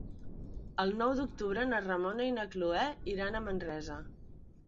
El nou d'octubre na Ramona i na Cloè iran a Manresa.